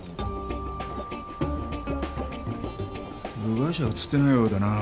部外者は映ってないようだな。